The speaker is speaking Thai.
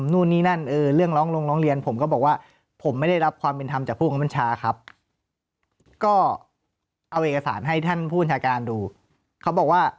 นู่นนี่นั่นเรื่องร้องลงร้องเรียนผมก็บอกว่าผมไม่ได้รับความเป็นธรรมจากผู้คำบัญชาครับก็เอาเอกสารให้ท่านผู้บัญชาการดูเขาบอกว่า